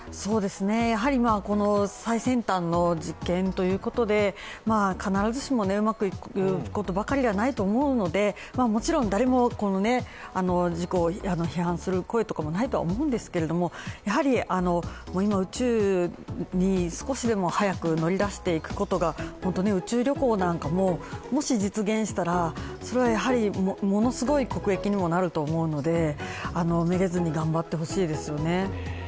やはり最先端の実験ということで必ずしもうまくいくことばかりではないと思うので、もちろん誰も事故を批判する声などもないと思うんですけども、やはり、今、宇宙にすこしでも早く乗り出していくことが宇宙旅行なんかも、もし実現したらものすごい国益にもなると思うので、めげずに頑張ってほしいですよね。